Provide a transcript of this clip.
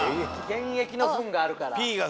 現役のフンがあるから。